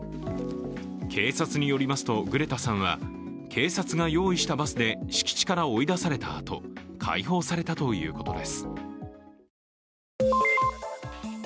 警察によりますとグレタさんは、警察が用意したバスで敷地から追い出されたあと、解放されたということです。